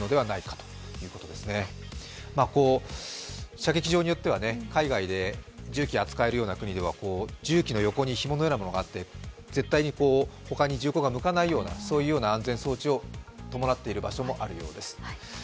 射撃場によっては、海外で銃器を扱えるような国では銃器の横にひものようなものがあって、絶対に他に銃口が向かないような安全装置を伴っている場所もあるようです。